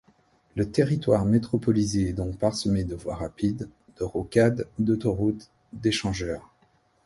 Le territoire métropolisé est donc parsemé de voies rapides, de rocades, d'autoroutes, d'échangeurs.